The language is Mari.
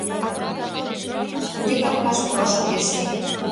Ынде капкаш пураш огеш лий.